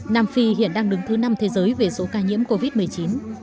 nam phi hiện đang đứng thứ năm thế giới về số ca nhiễm covid một mươi chín